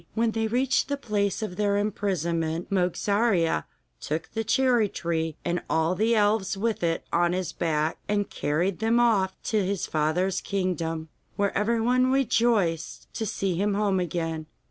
When they reached the place of their imprisonment, Mogarzea took the cherry tree and all the elves with it on his back, and carried them off to his father's kingdom, where everyone rejoiced to see him home again.